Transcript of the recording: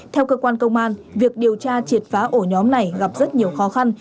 theo cơ quan công an việc điều tra triệt phá ổ nhóm này gặp rất nhiều khó khăn